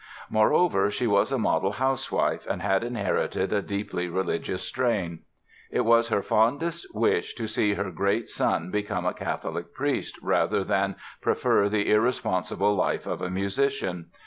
Moreover she was a model housewife and had inherited a deeply religious strain. It was her fondest wish to see her great son become a Catholic priest rather than prefer "the irresponsible life of a musician."